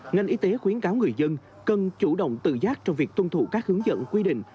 ngành y tế khuyến cáo người dân cần chủ động tự giác trong việc tuân thủ các hướng dẫn quy định